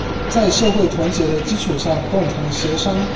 在社會團結的基礎上共同協商